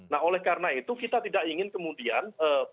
nah oleh karena itu kita tidak ingin kemudian